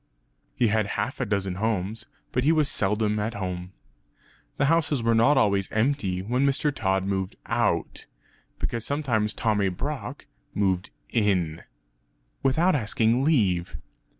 He had half a dozen houses, but he was seldom at home. The houses were not always empty when Mr. Tod moved out; because sometimes Tommy Brock moved in; (without asking leave).